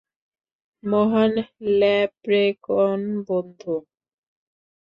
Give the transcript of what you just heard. মহান ল্যাপ্রেকন বন্ধু!